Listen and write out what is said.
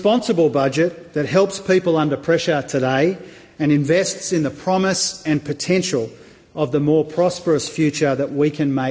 ini adalah budjet yang bertanggung jawab yang membantu orang orang yang terdekat hari ini